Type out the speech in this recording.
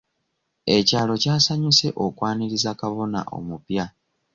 Ekyalo kyasanyuse okwaniriza kabona omupya.